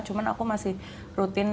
cuma aku masih rutin